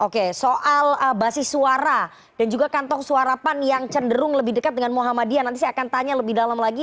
oke soal basis suara dan juga kantong suara pan yang cenderung lebih dekat dengan muhammadiyah nanti saya akan tanya lebih dalam lagi